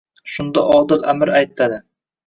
Shunda odil amir aytadi.